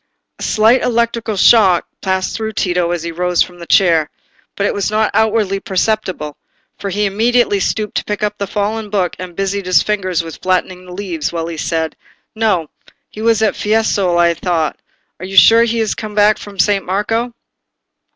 A slight electric shock passed through Tito as he rose from the chair, but it was not outwardly perceptible, for he immediately stooped to pick up the fallen book, and busied his fingers with flattening the leaves, while he said— "No; he was at Fiesole, I thought. Are you sure he is come back to San Marco?"